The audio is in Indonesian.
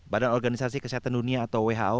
badan organisasi kesehatan dunia atau who